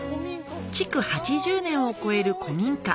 築８０年を超える古民家